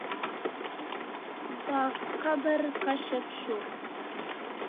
دا قبر کشف شو.